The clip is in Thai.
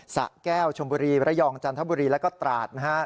สะแก้วชมบุรีระยองจันทบุรีแล้วก็ตราดนะฮะ